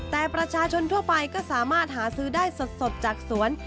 แต่ประชาชนทั่วไปก็สามารถหาซื้อได้สดจากสวน